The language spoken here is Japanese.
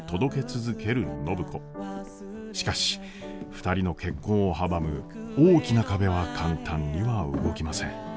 しかし２人の結婚を阻む大きな壁は簡単には動きません。